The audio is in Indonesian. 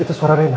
itu suara rena